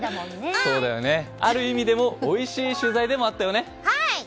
ある意味でおいしい取材でもあったよね。